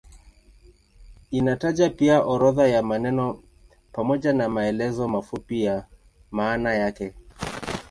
Inataja pia orodha ya maneno pamoja na maelezo mafupi ya maana yake.